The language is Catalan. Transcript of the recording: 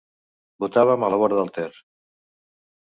Botàvem a la vora del Ter.